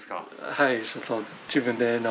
はい。